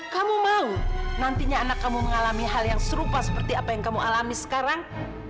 kamu mau nantinya anak kamu mengalami hal yang serupa seperti apa yang kamu alami sekarang